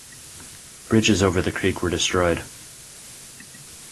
Bridges over the creek were destroyed.